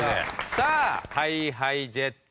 さあＨｉＨｉＪｅｔｓ